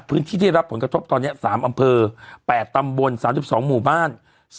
พื้นที่ได้รับผลกระทบตอนนี้๓อำเภอ๘ตำบล๓๒หมู่บ้าน